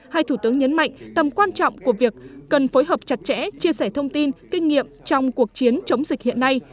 hai thủ tướng nhấn mạnh tầm quan trọng của việc cần phối hợp chặt chẽ chia sẻ thông tin kinh nghiệm trong cuộc chiến chống dịch hiện nay